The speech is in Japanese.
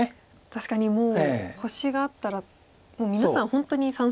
確かにもう星があったらもう皆さん本当に三々ですよね。